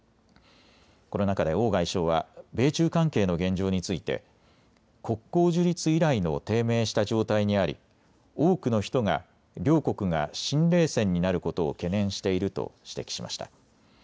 この中で王外相は米中関係の現状について国交樹立以来の低迷した状態にあり、多くの人が両国が新冷戦になることを懸念していると指摘しました。